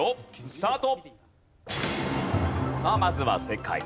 スタート。